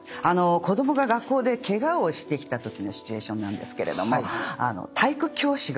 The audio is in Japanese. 子供が学校でケガをしてきたときのシチュエーションなんですけれども。